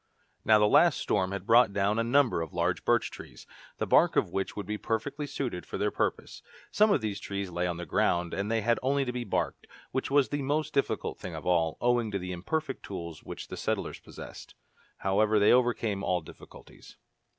Now the last storm had brought down a number of large birch trees, the bark of which would be perfectly suited for their purpose. Some of these trees lay on the ground, and they had only to be barked, which was the most difficult thing of all, owing to the imperfect tools which the settlers possessed. However, they overcame all difficulties.